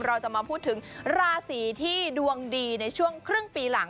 เราจะมาพูดถึงราศีที่ดวงดีในช่วงครึ่งปีหลัง